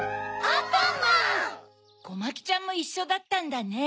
コマキちゃんもいっしょだったんだね。